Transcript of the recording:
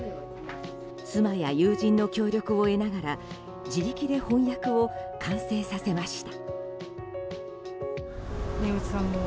妻や友人の協力を得ながら自力で翻訳を完成させました。